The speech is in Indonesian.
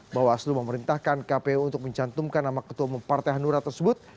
bawaslu memerintahkan kpu untuk mencantumkan nama ketua umum partai hanura tersebut